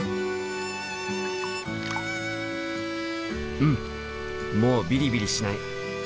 うんもうビリビリしない。